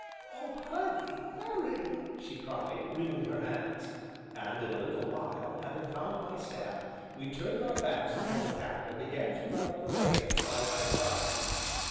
"Oh, hurry! hurry!" she cried, wringing her hands. And, in a little while, having found my staff, we turned our backs upon the tavern and began to run up the lane, side by side.